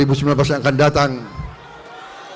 kita akan mendapat mandat dari rakyat indonesia